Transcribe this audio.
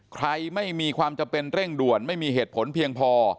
ใครไม่มีความจำเป็นเร่งด่วนไม่มีเหตุผลเพียงพอ